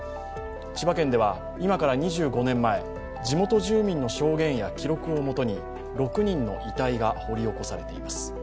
千葉県では、今から２５年前、地元住民の証言や記録をもとに６人の遺体が掘り起こされています